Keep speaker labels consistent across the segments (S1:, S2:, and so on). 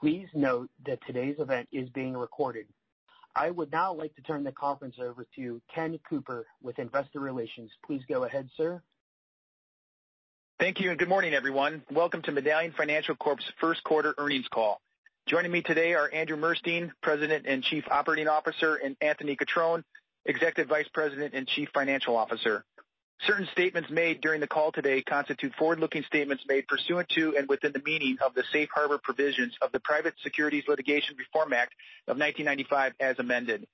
S1: Please note that today's event is being recorded. I would now like to turn the conference over to Ken Cooper with Investor Relations. Please go ahead, sir.
S2: Thank you, and good morning, everyone. Welcome to Medallion Financial Corp.'s Q1 earnings call. Joining me today are Andrew Murstein, President and Chief Operating Officer, and Anthony Cutrone, Executive Vice President and Chief Financial Officer. Certain statements made during the call today constitute forward-looking statements made pursuant to and within the meaning of the Safe Harbor provisions of the Private Securities Litigation Reform Act of 1995 as amended.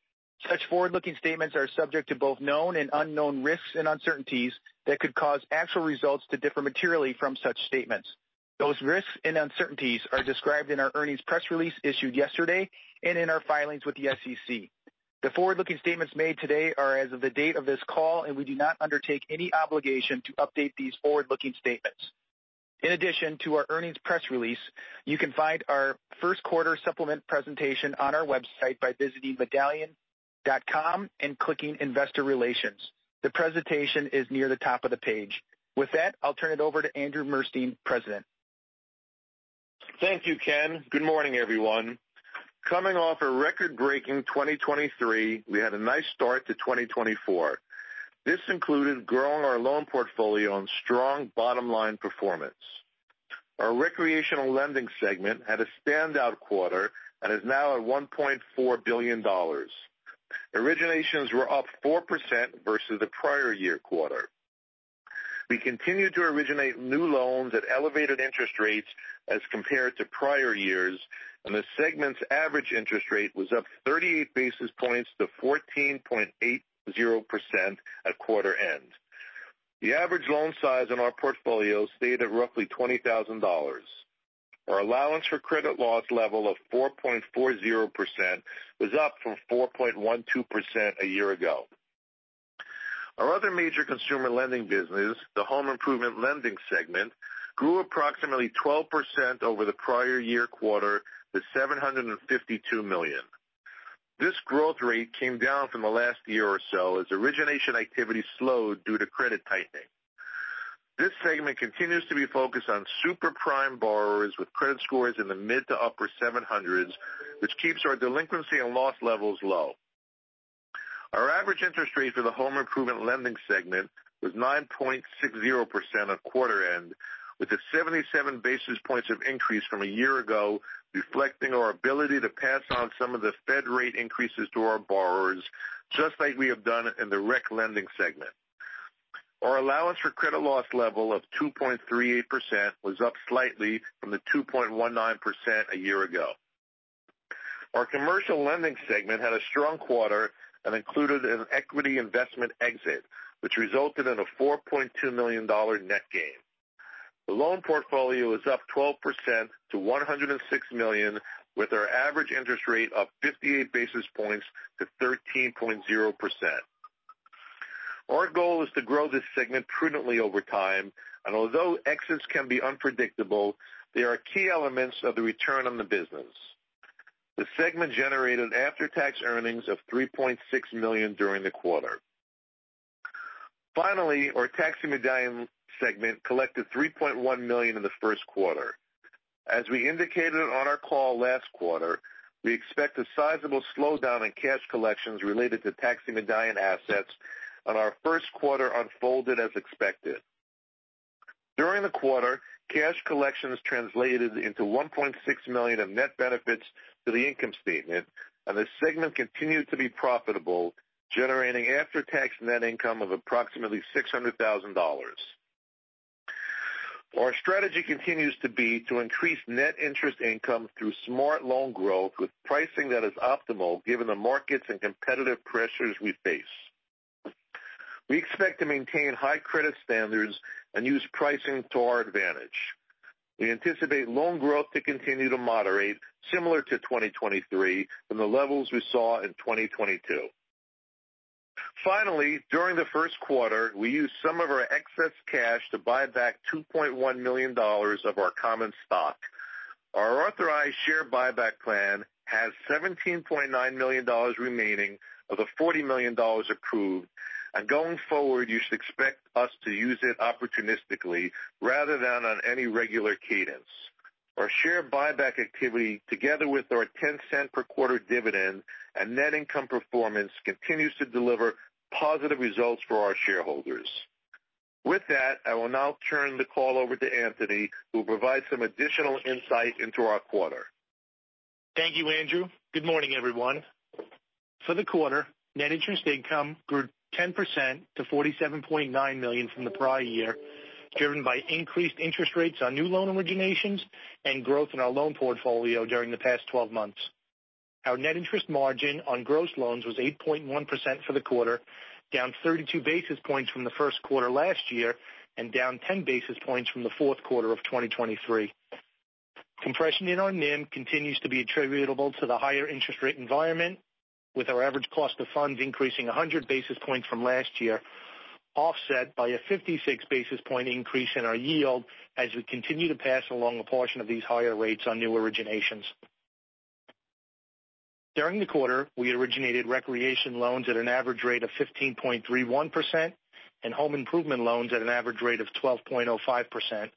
S2: Such forward-looking statements are subject to both known and unknown risks and uncertainties that could cause actual results to differ materially from such statements. Those risks and uncertainties are described in our earnings press release issued yesterday and in our filings with the SEC. The forward-looking statements made today are as of the date of this call, and we do not undertake any obligation to update these forward-looking statements. In addition to our earnings press release, you can find our Q1 supplement presentation on our website by visiting medallion.com and clicking Investor Relations. The presentation is near the top of the page. With that, I'll turn it over to Andrew Murstein, President.
S3: Thank you, Ken. Good morning, everyone. Coming off a record-breaking 2023, we had a nice start to 2024. This included growing our loan portfolio and strong bottom-line performance. Our recreational lending segment had a standout quarter and is now at $1.4 billion. Originations were up 4% versus the prior year quarter. We continued to originate new loans at elevated interest rates as compared to prior years, and the segment's average interest rate was up 38 basis points to 14.80% at quarter end. The average loan size in our portfolio stayed at roughly $20,000. Our allowance for credit loss level of 4.40% was up from 4.12% a year ago. Our other major consumer lending business, the home improvement lending segment, grew approximately 12% over the prior year quarter to $752 million. This growth rate came down from the last year or so as origination activity slowed due to credit tightening. This segment continues to be focused on super-prime borrowers with credit scores in the mid to upper 700s, which keeps our delinquency and loss levels low. Our average interest rate for the home improvement lending segment was 9.60% at quarter end, with a 77 basis points of increase from a year ago, reflecting our ability to pass on some of the Fed rate increases to our borrowers just like we have done in the Rec lending segment. Our allowance for credit loss level of 2.38% was up slightly from the 2.19% a year ago. Our commercial lending segment had a strong quarter and included an equity investment exit, which resulted in a $4.2 million net gain. The loan portfolio is up 12% to $106 million, with our average interest rate up 58 basis points to 13.0%. Our goal is to grow this segment prudently over time, and although exits can be unpredictable, they are key elements of the return on the business. The segment generated after-tax earnings of $3.6 million during the quarter. Finally, our Taxi Medallion segment collected $3.1 million in the Q1. As we indicated on our call last quarter, we expect a sizable slowdown in cash collections related to taxi medallion assets and our Q1 unfolded as expected. During the quarter, cash collections translated into $1.6 million of net benefits to the income statement, and the segment continued to be profitable, generating after-tax net income of approximately $600,000. Our strategy continues to be to increase net interest income through smart loan growth with pricing that is optimal given the markets and competitive pressures we face. We expect to maintain high credit standards and use pricing to our advantage. We anticipate loan growth to continue to moderate, similar to 2023, from the levels we saw in 2022. Finally, during the Q1, we used some of our excess cash to buy back $2.1 million of our common stock. Our authorized share buyback plan has $17.9 million remaining of the $40 million approved, and going forward, you should expect us to use it opportunistically rather than on any regular cadence. Our share buyback activity, together with our 10-cent-per-quarter dividend and net income performance, continues to deliver positive results for our shareholders. With that, I will now turn the call over to Anthony, who will provide some additional insight into our quarter.
S4: Thank you, Andrew. Good morning, everyone. For the quarter, net interest income grew 10% to $47.9 million from the prior year, driven by increased interest rates on new loan originations and growth in our loan portfolio during the past 12 months. Our net interest margin on gross loans was 8.1% for the quarter, down 32 basis points from the Q1 last year and down 10 basis points from the Q4 of 2023. Compression in our NIM continues to be attributable to the higher interest rate environment, with our average cost of funds increasing 100 basis points from last year, offset by a 56 basis point increase in our yield as we continue to pass along a portion of these higher rates on new originations. During the quarter, we originated recreation loans at an average rate of 15.31% and home improvement loans at an average rate of 12.05%,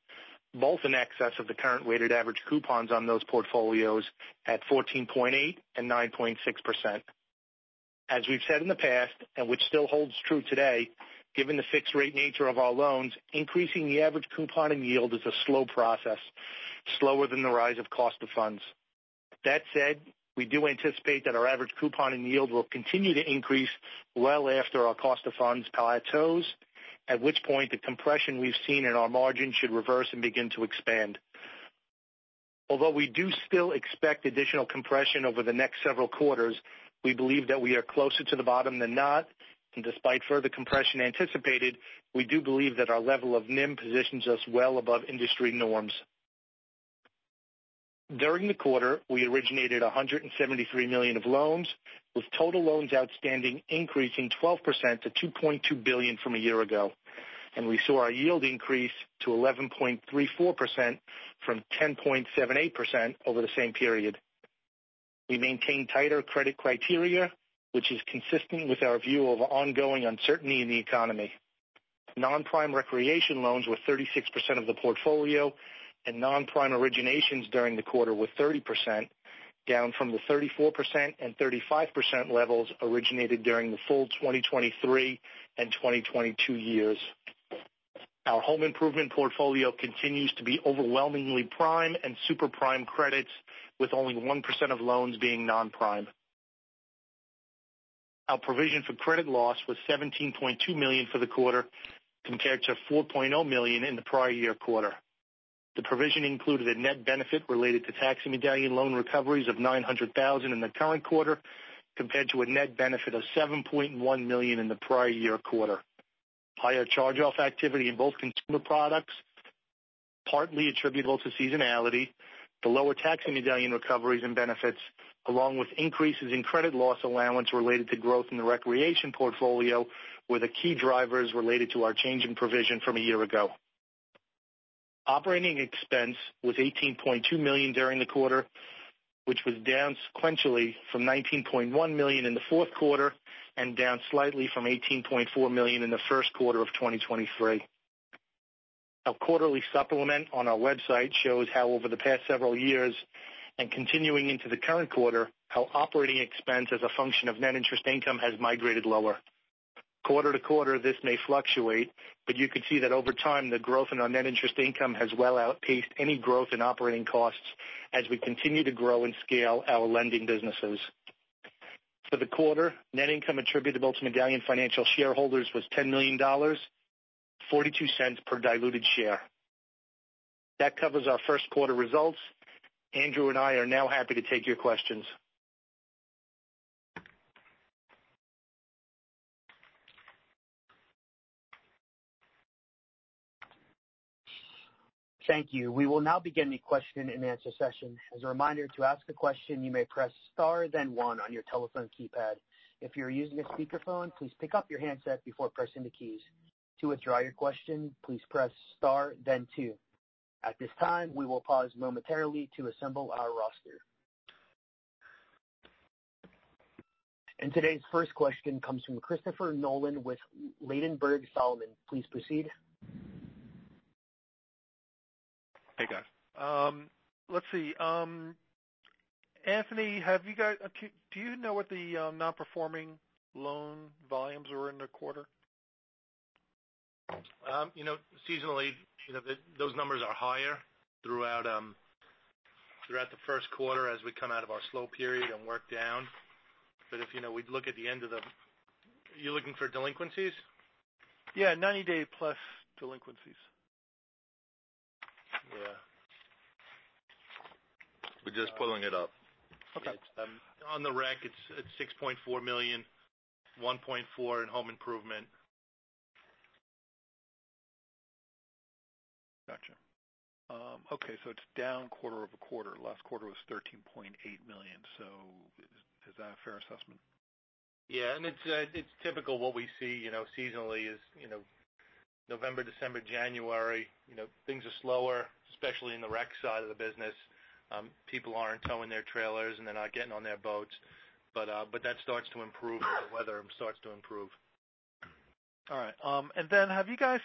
S4: both in excess of the current weighted average coupons on those portfolios at 14.8% and 9.6%. As we've said in the past and which still holds true today, given the fixed-rate nature of our loans, increasing the average coupon and yield is a slow process, slower than the rise of cost of funds. That said, we do anticipate that our average coupon and yield will continue to increase well after our cost of funds plateaus, at which point the compression we've seen in our margin should reverse and begin to expand. Although we do still expect additional compression over the next several quarters, we believe that we are closer to the bottom than not, and despite further compression anticipated, we do believe that our level of NIM positions us well above industry norms. During the quarter, we originated $173 million of loans, with total loans outstanding increasing 12% to $2.2 billion from a year ago, and we saw our yield increase to 11.34% from 10.78% over the same period. We maintain tighter credit criteria, which is consistent with our view of ongoing uncertainty in the economy. Non-prime recreation loans were 36% of the portfolio, and non-prime originations during the quarter were 30%, down from the 34% and 35% levels originated during the full 2023 and 2022 years. Our home improvement portfolio continues to be overwhelmingly prime and super-prime credits, with only 1% of loans being non-prime. Our provision for credit loss was $17.2 million for the quarter, compared to $4.0 million in the prior year quarter. The provision included a net benefit related to taxi medallion loan recoveries of $900,000 in the current quarter, compared to a net benefit of $7.1 million in the prior year quarter. Higher charge-off activity in both consumer products, partly attributable to seasonality, the lower taxi medallion recoveries and benefits, along with increases in credit loss allowance related to growth in the recreation portfolio, were the key drivers related to our change in provision from a year ago. Operating expense was $18.2 million during the quarter, which was down sequentially from $19.1 million in the Q4 and down slightly from $18.4 million in the Q1 of 2023. Our quarterly supplement on our website shows how, over the past several years and continuing into the current quarter, how operating expense, as a function of net interest income, has migrated lower. Quarter to quarter, this may fluctuate, but you could see that over time, the growth in our net interest income has well outpaced any growth in operating costs as we continue to grow and scale our lending businesses. For the quarter, net income attributable to Medallion Financial shareholders was $10 million, $0.42 per diluted share. That covers our Q1 results. Andrew and I are now happy to take your questions.
S1: Thank you. We will now begin the question-and-answer session. As a reminder, to ask a question, you may press * then 1 on your telephone keypad. If you are using a speakerphone, please pick up your handset before pressing the keys. To withdraw your question, please press * then 2. At this time, we will pause momentarily to assemble our roster. Today's first question comes from Christopher Nolan with Ladenburg Thalmann. Please proceed.
S5: Hey, guys. Let's see. Anthony, do you know what the non-performing loan volumes were in the quarter?
S4: Seasonally, those numbers are higher throughout the Q1 as we come out of our slow period and work down. But if we'd look at the end of the year you're looking for delinquencies?
S5: Yeah, 90-day-plus delinquencies.
S4: Yeah. We're just pulling it up. On the Rec, it's $6.4 million, $1.4 million in home improvement.
S5: Gotcha. Okay, so it's down quarter-over-quarter. Last quarter was $13.8 million. So is that a fair assessment?
S4: Yeah, and it's typical what we see seasonally is November, December, January. Things are slower, especially in the Rec side of the business. People aren't towing their trailers, and they're not getting on their boats. But that starts to improve. The weather starts to improve.
S5: All right. And then have you guys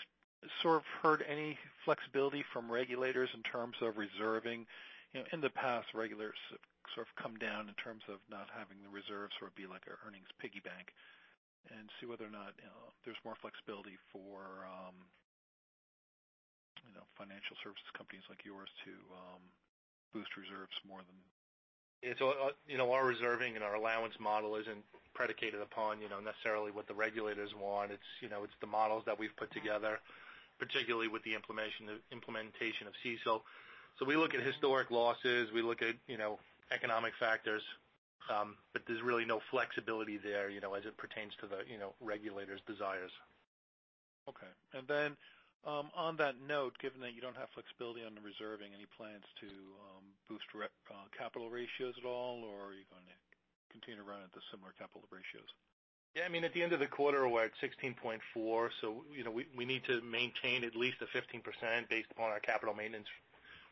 S5: heard any flexibility from regulators in terms of reserving? In the past, regulators have come down in terms of not having the reserves be like an earnings piggy bank. And see whether or not there's more flexibility for financial services companies like yours to boost reserves more than.
S4: It's all our reserving and our allowance model isn't predicated upon necessarily what the regulators want. It's the models that we've put together, particularly with the implementation of CECL. So we look at historic losses. We look at economic factors. But there's really no flexibility there as it pertains to the regulators' desires.
S5: Okay. And then on that note, given that you don't have flexibility on the reserving, any plans to boost capital ratios at all, or are you going to continue to run at the similar capital ratios?
S4: Yeah, I mean, at the end of the quarter, we're at 16.4. So we need to maintain at least a 15% based upon our capital maintenance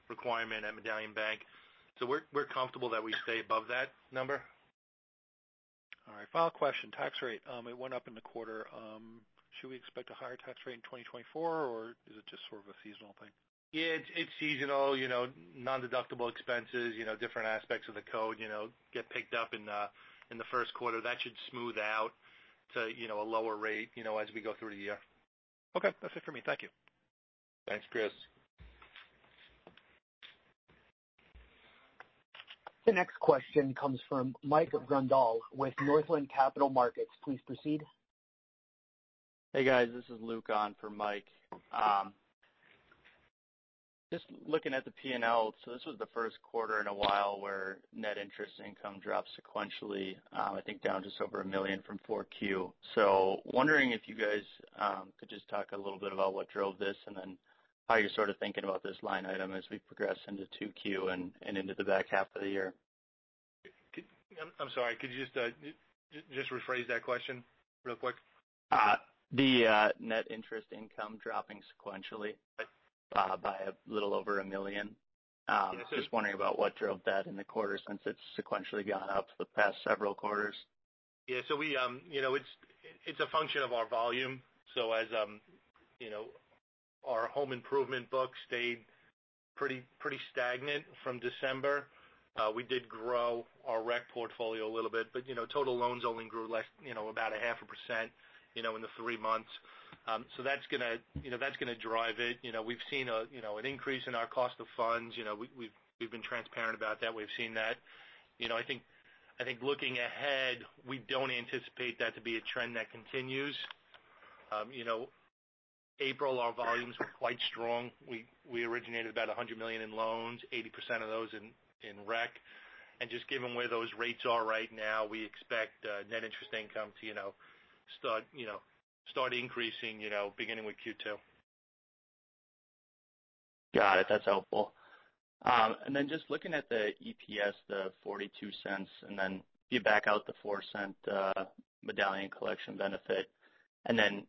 S4: requirement at Medallion Bank. So we're comfortable that we stay above that number.
S5: All right. Final question. Tax rate. It went up in the quarter. Should we expect a higher tax rate in 2024, or is it just a seasonal thing?
S4: Yeah, it's seasonal. Nondeductible expenses, different aspects of the code get picked up in the Q1. That should smooth out to a lower rate as we go through the year.
S5: Okay. That's it for me. Thank you.
S4: Thanks, Chris.
S1: The next question comes from Mike Grondahl with Northland Capital Markets. Please proceed.
S6: Hey, guys. This is Luke on for Mike. Just looking at the P&L, so this was the Q1 in a while where net interest income dropped sequentially, I think down just over $1 million from 4Q. So wondering if you guys could just talk a little bit about what drove this and then how you're thinking about this line item as we progress into 2Q and into the back half of the year?
S4: I'm sorry. Could you just rephrase that question real quick?
S6: The net interest income dropping sequentially by a little over $1 million. Just wondering about what drove that in the quarter since it's sequentially gone up the past several quarters.
S4: Yeah, so it's a function of our volume. So as our home improvement books stayed pretty stagnant from December, we did grow our Rec portfolio a little bit. But total loans only grew about 0.5% in the 3 months. So that's going to drive it. We've seen an increase in our cost of funds. We've been transparent about that. We've seen that. I think looking ahead, we don't anticipate that to be a trend that continues. April, our volumes were quite strong. We originated about $100 million in loans, 80% of those in Rec. And just given where those rates are right now, we expect net interest income to start increasing beginning with Q2.
S6: Got it. That's helpful. Then just looking at the EPS, the $0.42, and then you back out the $0.04 Medallion collection benefit. And then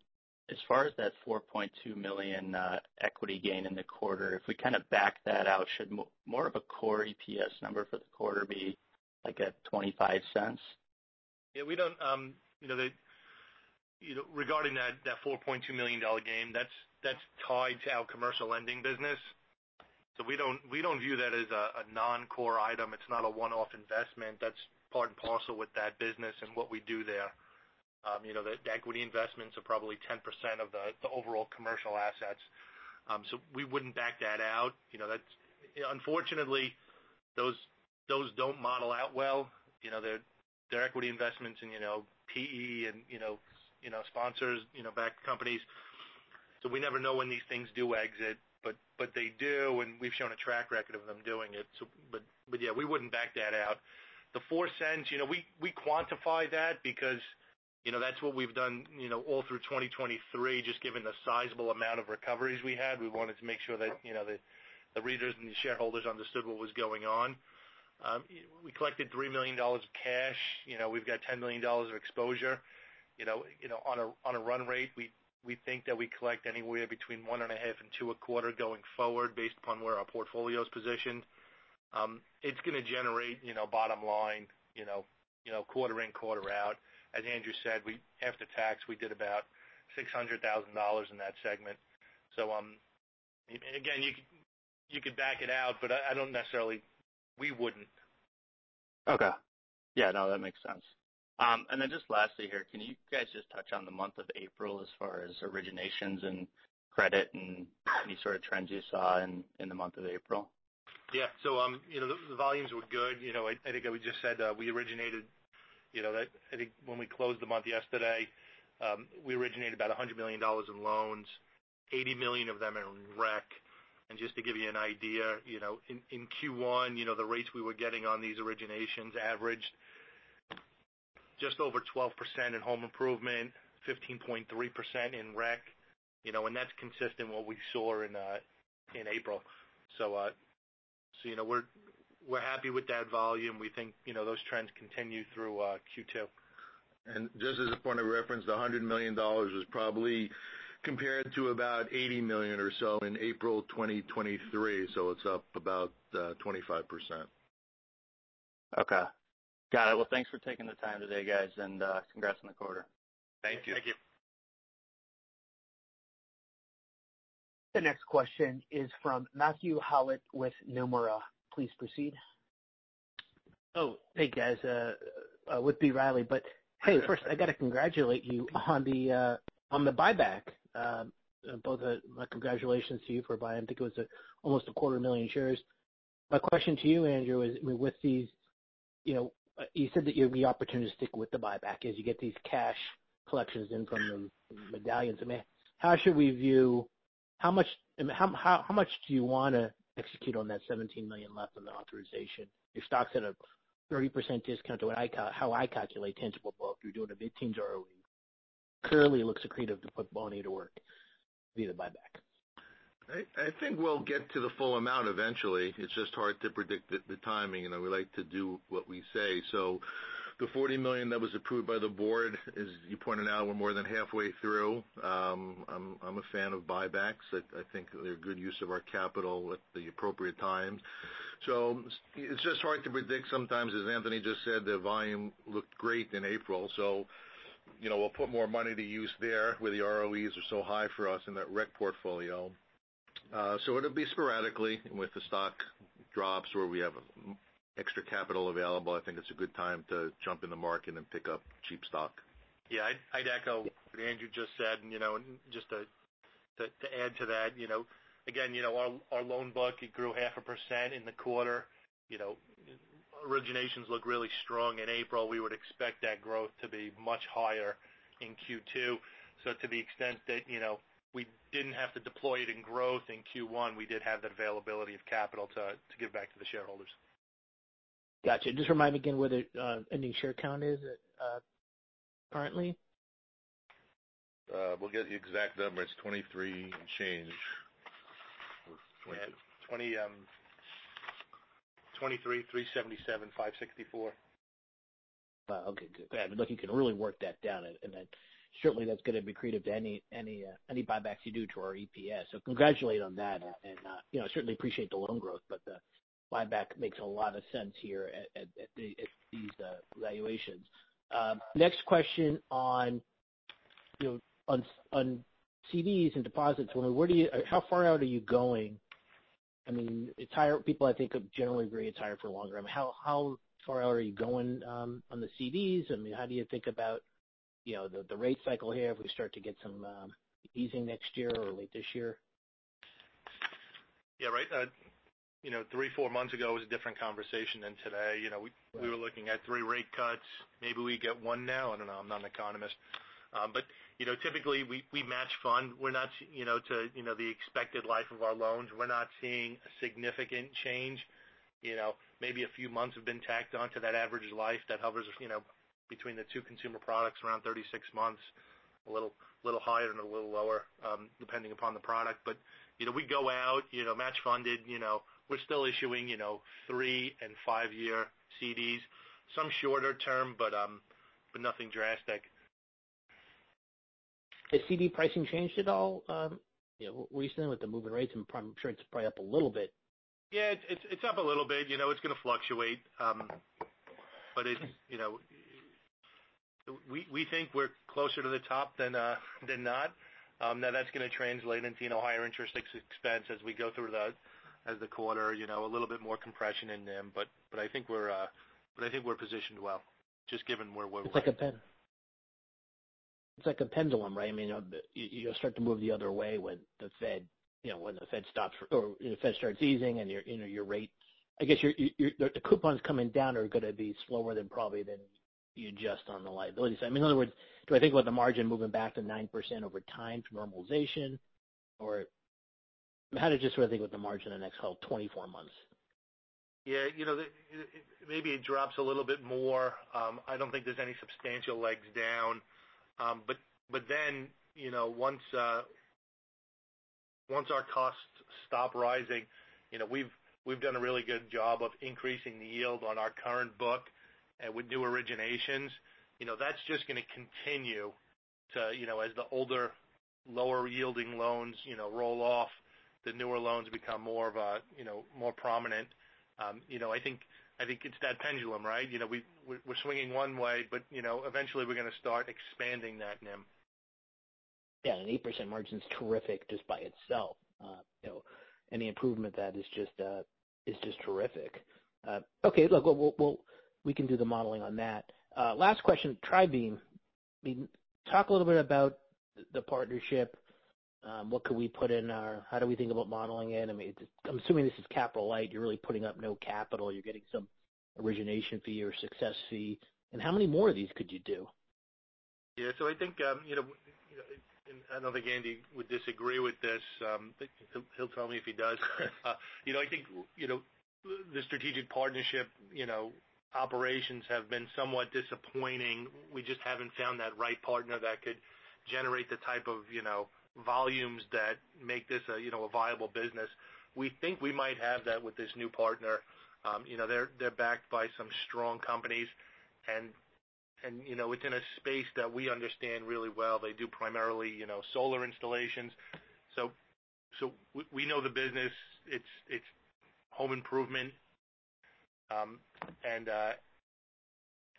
S6: as far as that $4.2 million equity gain in the quarter, if we kind of back that out, should more of a core EPS number for the quarter be at $0.25?
S4: Yeah, we don't. Regarding that $4.2 million gain, that's tied to our commercial lending business. So we don't view that as a non-core item. It's not a one-off investment. That's part and parcel with that business and what we do there. The equity investments are probably 10% of the overall commercial assets. So we wouldn't back that out. Unfortunately, those don't model out well. They're equity investments in PE and sponsor-backed companies. So we never know when these things do exit. But they do, and we've shown a track record of them doing it. But yeah, we wouldn't back that out. The $0.04, we quantify that because that's what we've done all through 2023, just given the sizable amount of recoveries we had. We wanted to make sure that the readers and the shareholders understood what was going on. We collected $3 million of cash. We've got $10 million of exposure. On a run rate, we think that we collect anywhere between $1.5 million and $2.25 million going forward, based upon where our portfolio is positioned. It's going to generate bottom line quarter in, quarter out. As Andrew said, after tax, we did about $600,000 in that segment. So again, you could back it out, but I don't necessarily we wouldn't.
S6: Okay. Yeah, no, that makes sense. And then just lastly here, can you guys just touch on the month of April as far as originations and credit and any trends you saw in the month of April?
S4: Yeah. So the volumes were good. I think I just said we originated I think when we closed the month yesterday, we originated about $100 million in loans, $80 million of them in Rec. And just to give you an idea, in Q1, the rates we were getting on these originations averaged just over 12% in home improvement, 15.3% in Rec. And that's consistent with what we saw in April. So we're happy with that volume. We think those trends continue through Q2.
S3: Just as a point of reference, the $100 million was probably compared to about $80 million or so in April 2023. It's up about 25%.
S6: Okay. Got it. Well, thanks for taking the time today, guys, and congrats on the quarter.
S4: Thank you.
S5: Thank you.
S1: The next question is from Matthew Howlett with B. Riley Securities. Please proceed.
S7: Oh, hey, guys. With B. Riley. But hey, first, I got to congratulate you on the buyback. Both my congratulations to you for buying I think it was almost 250,000 shares. My question to you, Andrew, is with these you said that you have the opportunity to stick with the buyback as you get these cash collections in from the medallions. I mean, how should we view how much do you want to execute on that $17 million left on the authorization? Your stock's at a 30% discount to how I calculate tangible worth. You're doing a 15% ROE. Currently, it looks accretive to put money to work via the buyback.
S3: I think we'll get to the full amount eventually. It's just hard to predict the timing. We like to do what we say. So the $40 million that was approved by the board, as you pointed out, we're more than halfway through. I'm a fan of buybacks. I think they're good use of our capital at the appropriate times. So it's just hard to predict sometimes. As Anthony just said, the volume looked great in April. So we'll put more money to use there where the ROEs are so high for us in that Rec portfolio. So it'll be sporadically with the stock drops where we have extra capital available. I think it's a good time to jump in the market and pick up cheap stock.
S4: Yeah, I'd echo what Andrew just said. And just to add to that, again, our loan book, it grew 0.5% in the quarter. Originations look really strong in April. We would expect that growth to be much higher in Q2. So to the extent that we didn't have to deploy it in growth in Q1, we did have that availability of capital to give back to the shareholders.
S7: Gotcha. Just remind me again what the ending share count is currently?
S3: We'll get the exact number. It's 23 and change.
S4: Yeah, 23,377,564.
S7: Wow. Okay, good. Yeah, I mean, look, you can really work that down. And then certainly, that's going to be accretive to any buybacks you do to our EPS. So congratulate on that. And I certainly appreciate the loan growth, but the buyback makes a lot of sense here at these valuations. Next question on CDs and deposits. I mean, how far out are you going? I mean, people, I think, generally agree it's higher for a long term. How far out are you going on the CDs? I mean, how do you think about the rate cycle here if we start to get some easing next year or late this year?
S4: Yeah, right. 3, 4 months ago, it was a different conversation than today. We were looking at 3 rate cuts. Maybe we get 1 now. I don't know. I'm not an economist. But typically, we match fund. We're not to the expected life of our loans. We're not seeing a significant change. Maybe a few months have been tacked onto that average life that hovers between the two consumer products, around 36 months, a little higher and a little lower, depending upon the product. But we go out, match funded. We're still issuing 3 and 5 year CDs, some shorter term, but nothing drastic.
S7: Has CD pricing changed at all recently with the moving rates? I'm sure it's probably up a little bit.
S4: Yeah, it's up a little bit. It's going to fluctuate. But we think we're closer to the top than not. Now, that's going to translate into higher interest expense as we go through the quarter, a little bit more compression in them. But I think we're positioned well, just given where we're at.
S7: It's like a pendulum, right? I mean, you'll start to move the other way when the Fed stops or the Fed starts easing and your rates I guess the coupons coming down are going to be slower than probably than you adjust on the liability side. I mean, in other words, do I think about the margin moving back to 9% over time for normalization, or how do I just sort of think about the margin in the next 24 months?
S4: Yeah, maybe it drops a little bit more. I don't think there's any substantial legs down. But then once our costs stop rising, we've done a really good job of increasing the yield on our current book with new originations. That's just going to continue as the older, lower-yielding loans roll off. The newer loans become more prominent. I think it's that pendulum, right? We're swinging one way, but eventually, we're going to start expanding that in them.
S7: Yeah, an 8% margin's terrific just by itself. Any improvement that is just terrific. Okay, look, we can do the modeling on that. Last question, Trinity. Talk a little bit about the partnership. What could we put in our how do we think about modeling it? I mean, I'm assuming this is capital light. You're really putting up no capital. You're getting some origination fee or success fee. And how many more of these could you do?
S4: Yeah, so I think, and I don't think Andy would disagree with this. He'll tell me if he does. I think the strategic partnership operations have been somewhat disappointing. We just haven't found that right partner that could generate the type of volumes that make this a viable business. We think we might have that with this new partner. They're backed by some strong companies. And it's in a space that we understand really well. They do primarily solar installations. So we know the business. It's home improvement.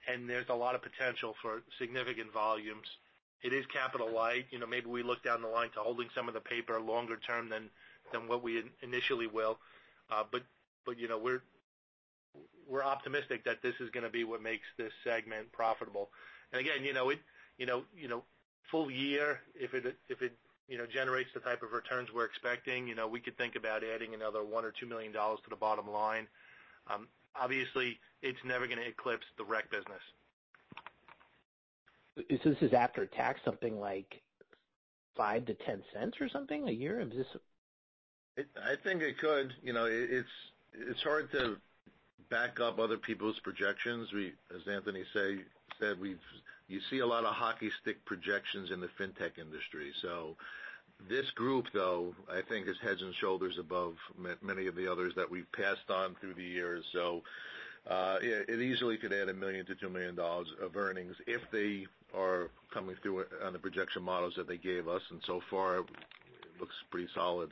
S4: And there's a lot of potential for significant volumes. It is capital light. Maybe we look down the line to holding some of the paper longer term than what we initially will. But we're optimistic that this is going to be what makes this segment profitable. And again, full year, if it generates the type of returns we're expecting, we could think about adding another $1 million-$2 million to the bottom line. Obviously, it's never going to eclipse the Rec business.
S7: This is after a tax, something like $0.05-$0.10 or something a year? Is this?
S3: I think it could. It's hard to back up other people's projections. As Anthony said, you see a lot of hockey stick projections in the fintech industry. So this group, though, I think, is heads and shoulders above many of the others that we've passed on through the years. So yeah, it easily could add $1 million-$2 million of earnings if they are coming through on the projection models that they gave us. And so far, it looks pretty solid.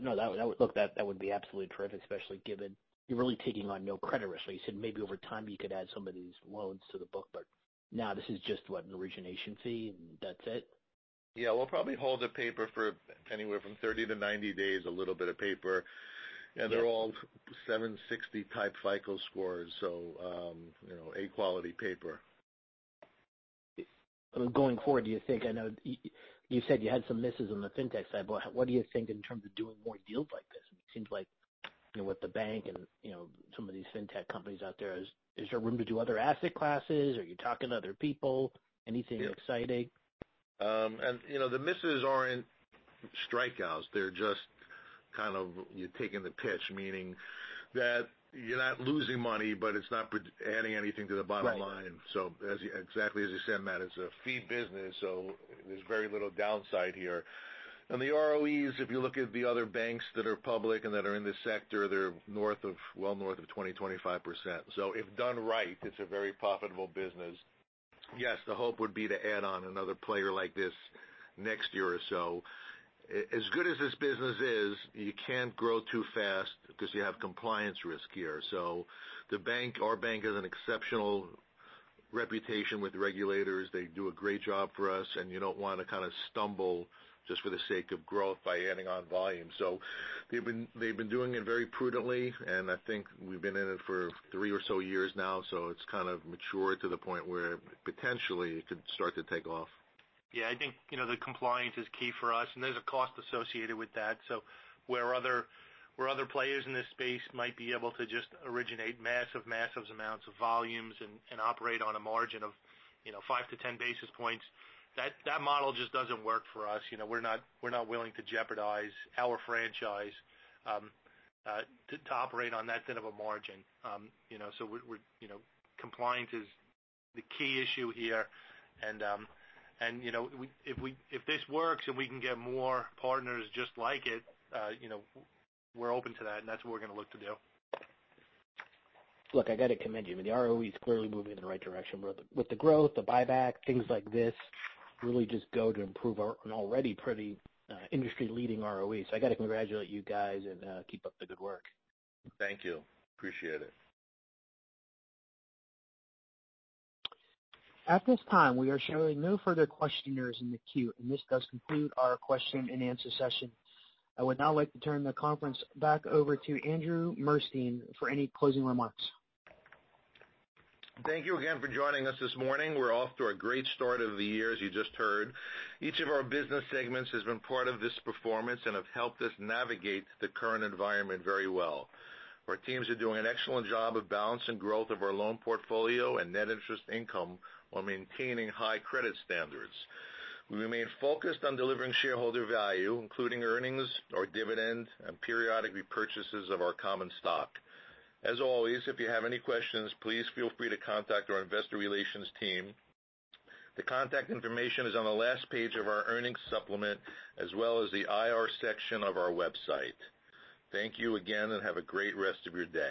S7: No, look, that would be absolutely terrific, especially given you're really taking on no credit risk. So you said maybe over time, you could add some of these loans to the book. But now, this is just, what, an origination fee, and that's it?
S3: Yeah, we'll probably hold the paper for anywhere from 30-90 days, a little bit of paper. They're all 760-type FICO scores, so A-quality paper.
S7: Going forward, do you think? I know you said you had some misses on the fintech side, but what do you think in terms of doing more deals like this? I mean, it seems like with the bank and some of these fintech companies out there, is there room to do other asset classes? Are you talking to other people? Anything exciting?
S3: The misses aren't strikeouts. They're just kind of you're taking the pitch, meaning that you're not losing money, but it's not adding anything to the bottom line. So exactly as you said, Matt, it's a fee business, so there's very little downside here. And the ROEs, if you look at the other banks that are public and that are in this sector, they're well north of 20%-25%. So if done right, it's a very profitable business. Yes, the hope would be to add on another player like this next year or so. As good as this business is, you can't grow too fast because you have compliance risk here. So our bank has an exceptional reputation with regulators. They do a great job for us. And you don't want to kind of stumble just for the sake of growth by adding on volume. So they've been doing it very prudently. And I think we've been in it for 3 or so years now. So it's kind of matured to the point where potentially, it could start to take off.
S4: Yeah, I think the compliance is key for us. And there's a cost associated with that. So where other players in this space might be able to just originate massive, massive amounts of volumes and operate on a margin of 5-10 basis points, that model just doesn't work for us. We're not willing to jeopardize our franchise to operate on that bit of a margin. So compliance is the key issue here. And if this works and we can get more partners just like it, we're open to that. And that's what we're going to look to do.
S7: Look, I got to commend you. I mean, the ROE's clearly moving in the right direction. But with the growth, the buyback, things like this really just go to improve an already pretty industry-leading ROE. So I got to congratulate you guys and keep up the good work.
S3: Thank you. Appreciate it.
S1: At this time, we are showing no further questioners in the queue. This does conclude our question-and-answer session. I would now like to turn the conference back over to Andrew Murstein for any closing remarks.
S3: Thank you again for joining us this morning. We're off to a great start of the year, as you just heard. Each of our business segments has been part of this performance and have helped us navigate the current environment very well. Our teams are doing an excellent job of balancing growth of our loan portfolio and net interest income while maintaining high credit standards. We remain focused on delivering shareholder value, including earnings or dividend and periodic repurchases of our common stock. As always, if you have any questions, please feel free to contact our investor relations team. The contact information is on the last page of our earnings supplement as well as the IR section of our website. Thank you again, and have a great rest of your day.